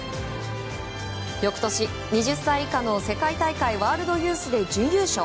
翌年、２０歳以下の世界大会ワールドユースで準優勝。